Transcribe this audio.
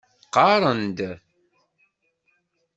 Qarren-d.